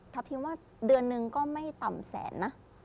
ทีมว่าเดือนหนึ่งก็ไม่ต่ำแสนนะ